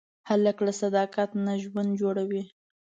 هلک له صداقت نه ژوند جوړوي.